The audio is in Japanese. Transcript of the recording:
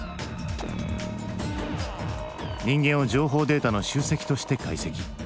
人間を情報データの集積として解析。